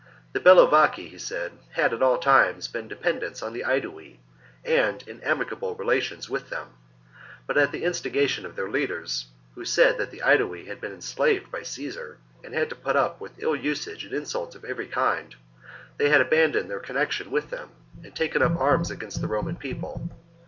The Bellovaci, he said, had at all times been dependents of the Aedui, and in amicable relations with them ; but, at the instigation of their leaders, who said that the Aedui had been enslaved by Caesar and had to put up with ill usage and insult of every kind, they had abandoned their connexion with them and taken up arms against the Roman People.